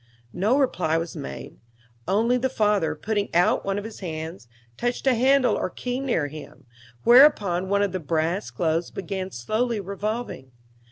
No reply was made; only the father, putting out one of his hands, touched a handle or key near him, whereupon one of the brass globes began slowly revolving.